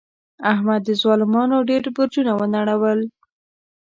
احمد د ظالمانو ډېر برجونه و نړول.